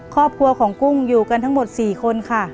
ครอบครัวของกุ้งอยู่กันทั้งหมด๔คนค่ะ